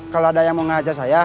kalau ada yang mau ngajar saya